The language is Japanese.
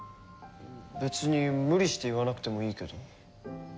別に無理して言わなくてもいいけど。